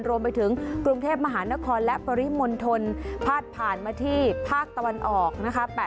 รวมไปถึงกรุงเทพมหานครและปริมณฑลพาดผ่านมาที่ภาคตะวันออกนะคะ